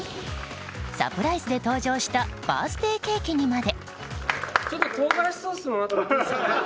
サプライズで登場したバースデーケーキにまで。